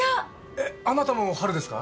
えっあなたもハルですか？